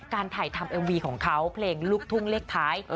การถ่ายทำเอ็มวีของเขาแรกไถ